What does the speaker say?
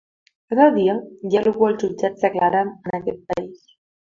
Cada dia hi ha algú als jutjats declarant en aquest país.